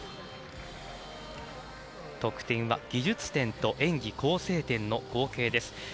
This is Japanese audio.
得点は技術点と演技構成点の合計です。